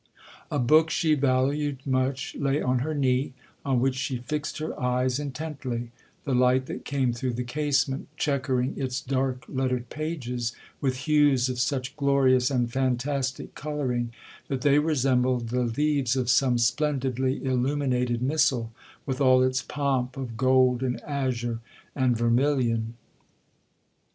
A book she valued much1 lay on her knee, on which she fixed her eyes intently—the light that came through the casement chequering its dark lettered pages with hues of such glorious and fantastic colouring, that they resembled the leaves of some splendidly illuminated missal, with all its pomp of gold, and azure, and vermilion.